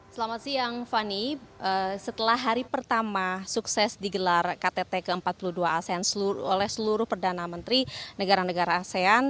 selamat siang fani setelah hari pertama sukses digelar ktt ke empat puluh dua asean oleh seluruh perdana menteri negara negara asean